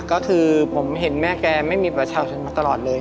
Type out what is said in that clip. ก็คือผมเห็นแม่แกไม่มีประชาชนมาตลอดเลย